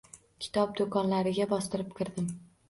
Kitob do’konlariga bostirib kirdim